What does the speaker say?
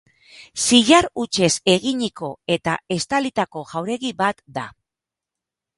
Zilar hutsez eginiko eta estalitako jauregi bat da.